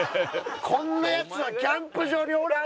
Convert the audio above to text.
こんなヤツはキャンプ場におらん！